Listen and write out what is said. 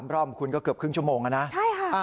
รอบคุณก็เกือบครึ่งชั่วโมงนะใช่ค่ะ